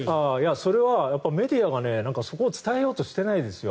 それはメディアがそこを伝えようとしていないですよ。